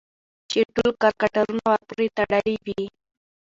چې ټول کرکټرونه ورپورې تړلي وي